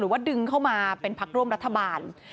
ว่าดึงเข้ามาเป็นพักร่วมรัฐบาล